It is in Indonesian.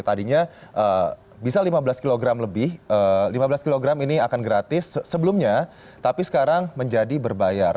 tadinya bisa lima belas kg lebih lima belas kg ini akan gratis sebelumnya tapi sekarang menjadi berbayar